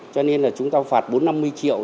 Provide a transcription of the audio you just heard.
cho nên là chúng ta phạt bốn năm mươi triệu